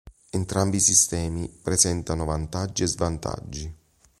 Entrambi i sistemi presentano vantaggi e svantaggi.